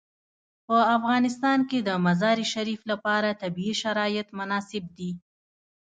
په افغانستان کې د مزارشریف لپاره طبیعي شرایط مناسب دي.